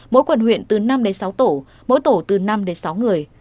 mỗi quận huyện từ năm đến sáu tổ mỗi tổ từ năm đến sáu người